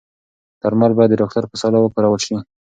درمل باید د ډاکتر په سلا وکارول شي.